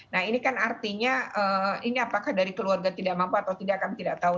nah ini kan artinya ini apakah dari keluarga tidak mampu atau tidak kami tidak tahu